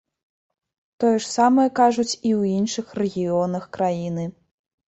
Тое ж самае кажуць і ў іншых рэгіёнах краіны.